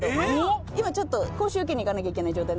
今講習受けに行かなきゃいけない状態に。